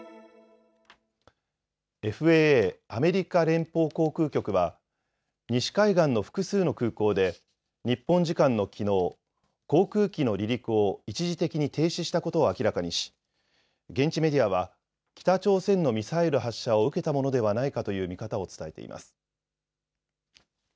ＦＡＡ・アメリカ連邦航空局は西海岸の複数の空港で日本時間のきのう、航空機の離陸を一時的に停止したことを明らかにし現地メディアは北朝鮮のミサイル発射を受けたものではないかという見方を伝えています。